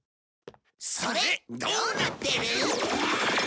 それどうなってる？